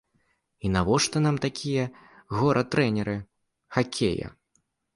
І навошта нам такія гора-трэнеры хакея?